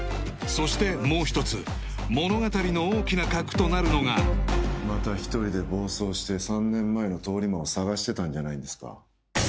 そしてもう一つ物語の大きな核となるのがまた一人で暴走して３年前の通り魔を捜してたんじゃないんですか